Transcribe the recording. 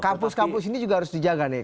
kampus kampus ini juga harus dijaga nih